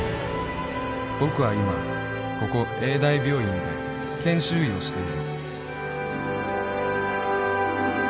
僕は今ここ永大病院で研修医をしている